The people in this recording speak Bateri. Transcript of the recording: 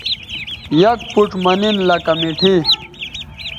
یک پوڇ مہ نن لکہ مٹھائ